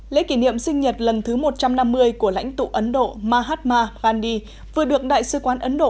lễ kỷ niệm sinh nhật lần thứ một trăm năm mươi của lãnh tụ ấn độ mahatma gandhi vừa được đại sứ quán ấn độ